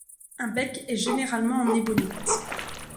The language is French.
Un bec est généralement en ébonite.